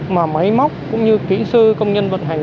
mà máy móc cũng như kỹ sư công nhân vận hành